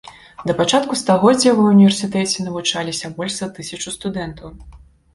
Да пачатку стагоддзя ва ўніверсітэце навучаліся больш за тысячу студэнтаў.